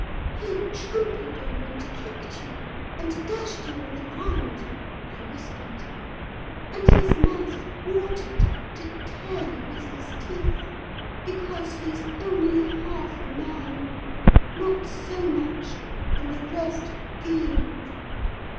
"'He trampled on and kicked you, and dashed you on the ground,' I whispered. 'And his mouth watered to tear you with his teeth; because he's only half man: not so much, and the rest fiend.